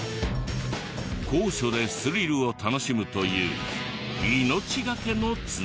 高所でスリルを楽しむという命がけの綱渡りなのです。